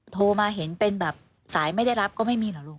โทรมาเห็นเป็นแบบสายไม่ได้รับก็ไม่มีเหรอลูก